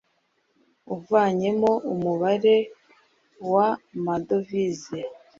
uvanyemo umubare w amadovize